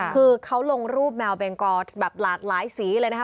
คือเขาลงรูปแมวเบงกอแบบหลากหลายสีเลยนะคะ